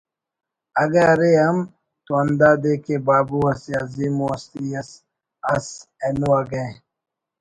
اگہ ارے ہم تو ہندادے کہ بابو اسہ عظیم ءُ ہستی اس ئس اینو اگہ